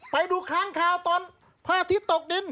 ไปดูครั้งข่าวตอนพระอาทิตย์ตกดิน